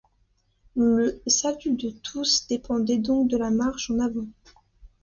Le salut de tous dépendait donc de la marche en avant.